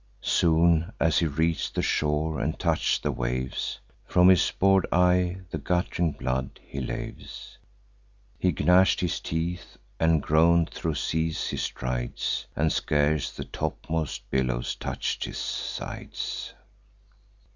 Soon as he reach'd the shore and touch'd the waves, From his bor'd eye the gutt'ring blood he laves: He gnash'd his teeth, and groan'd; thro' seas he strides, And scarce the topmost billows touch'd his sides.